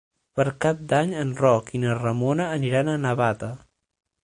Per Cap d'Any en Roc i na Ramona aniran a Navata.